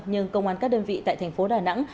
nhưng công an các đơn vị tại thành phố đà nẵng